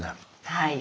はい。